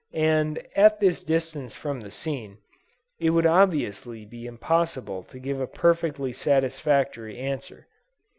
and at this distance from the scene, it would obviously be impossible to give a perfectly satisfactory answer.